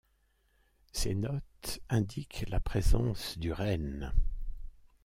Ses notes indiquent la présence du renne.